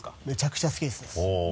めちゃくちゃ好きですね。